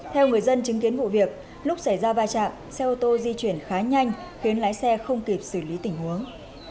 theo người dân chứng kiến vụ việc lúc xảy ra va chạm xe ô tô di chuyển khá nhanh khiến lái xe không kịp xử lý tình huống